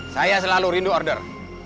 saya selalu rindu order